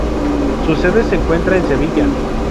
Su sede se encuentra en Sevilla.